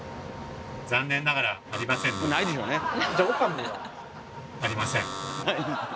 残念ながらありませんね。